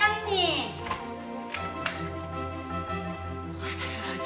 ibu udah setengah enam